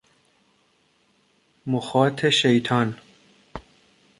مخاط شیطان